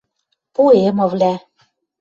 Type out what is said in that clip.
ПОЭМЫВЛӒ